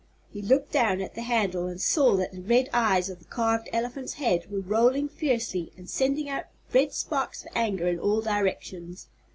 He looked down at the handle and saw that the red eyes of the carved elephant's head were rolling fiercely and sending out red sparks of anger in all directions.